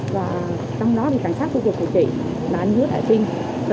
và trong đó thì cảnh sát khu vực của chị là anh dứa đại phim